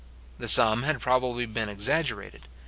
The sum had probably been exaggerated.